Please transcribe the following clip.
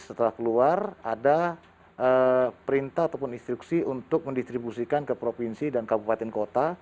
setelah keluar ada perintah ataupun instruksi untuk mendistribusikan ke provinsi dan kabupaten kota